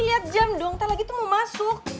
liat jam dong nanti lagi tuh mau masuk